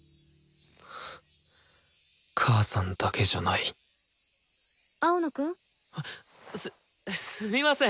母さんだけじゃない青野くん。すっすみません！